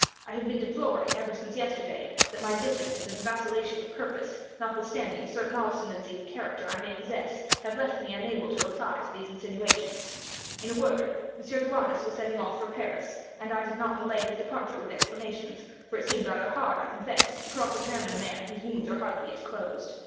I have been deploring, ever since yesterday, that my diffidence and vacillation of purpose, notwithstanding a certain obstinacy of character I may possess, have left me unable to reply to these insinuations. In a word, M. de Wardes was setting off for Paris, and I did not delay his departure with explanations; for it seemed rather hard, I confess, to cross examine a man whose wounds are hardly yet closed.